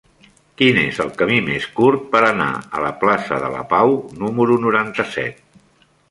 Quin és el camí més curt per anar a la plaça de la Pau número noranta-set?